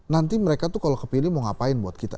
nanti mereka tuh kalau kepilih mau ngapain buat kita